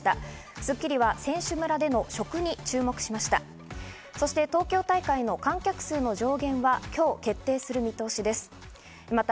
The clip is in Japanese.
『スッキリ』は選手村での食に注目しました。